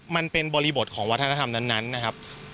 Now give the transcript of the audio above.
มันเป็นบริบทของวัฒนธรรมนั้นนะครับ